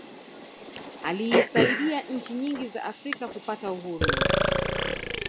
aliisaidia nchi nyingi za afrika kupata uhuru